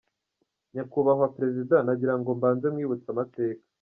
Nyakubahwa président nagira ngo mbanze nkwibutse amateka.